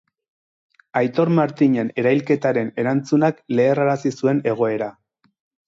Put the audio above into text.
Aitor Martinen erailketaren erantzunak leherrarazi zuen egoera.